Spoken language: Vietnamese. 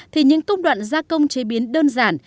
thì những công đoạn gia công chế biến đơn giản